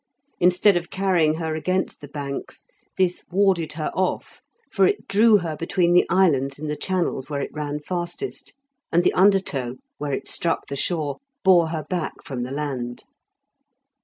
Instead of carrying her against the banks this warded her off, for it drew her between the islets in the channels where it ran fastest, and the undertow, where it struck the shore, bore her back from the land.